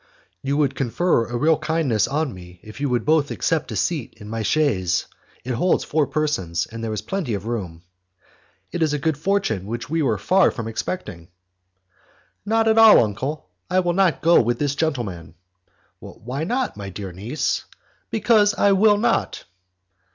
"You would confer a real kindness on me if you would both accept a seat in my chaise; it holds four persons, and there is plenty of room." "It is a good fortune which we were far from expecting" "Not at all, uncle; I will not go with this gentleman." "Why not, my dear niece?" "Because I will not."